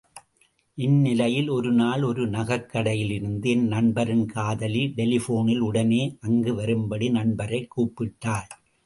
இந்நிலையில் ஒருநாள் ஒரு நகைக் கடையிலிருந்து என் நண்பரின் காதலி டெலிபோனில் உடனே அங்கு வரும்படி நண்பரைக் கூப்பிட்டாள்.